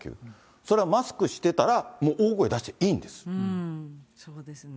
それはマスクしてたら、そうですね。